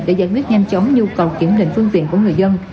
để giải quyết nhanh chóng nhu cầu kiểm định phương tiện của người dân